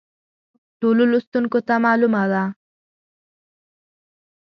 ټولو لوستونکو ته معلومه ده.